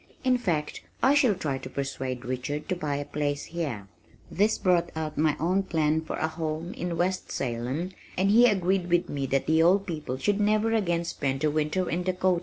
"In fact I shall try to persuade Richard to buy a place here." This brought out my own plan for a home in West Salem and he agreed with me that the old people should never again spend a winter in Dakota.